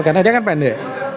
karena dia kan pendek